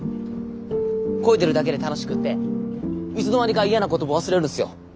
こいでるだけで楽しくっていつの間にか嫌なことも忘れるんすよ。